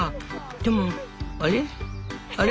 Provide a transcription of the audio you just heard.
でもあれ？